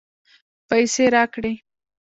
پیسې راکړې.